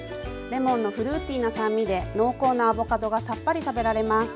レモンのフルーティーな酸味で濃厚なアボカドがさっぱり食べられます。